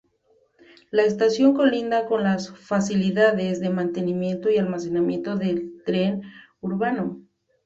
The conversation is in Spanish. La estación colinda con las facilidades de mantenimiento y almacenamiento del Tren Urbano.